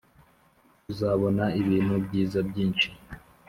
tuzabona ibintu byiza byinshi,